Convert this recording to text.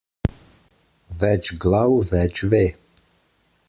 Več glav več ve.